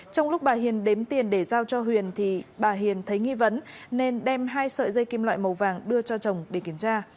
trong lúc bà hiền đếm tiền để giao cho huyền thì bà hiền thấy nghi vấn nên đem hai sợi dây kim loại màu vàng đưa cho chồng để kiểm tra